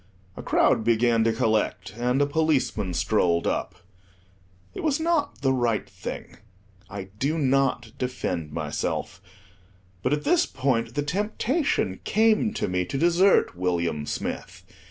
A crowd began to collect; and a policeman strolled up. It was not the right thing: I do not defend myself; but, at this point, the temptation came to me to desert William Smith.